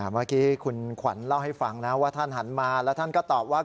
เมื่อกี้คุณขวัญเล่าให้ฟังนะว่าท่านหันมาแล้วท่านก็ตอบว่า